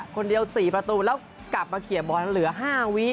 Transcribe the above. คนเดียว๔ประตูแล้วกลับมาเคลียร์บอลเหลือ๕วิ